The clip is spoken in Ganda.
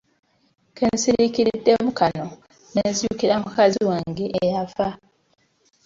Ke nsiriikiriddemu kano ne nzijukira mukazi wange eyafa.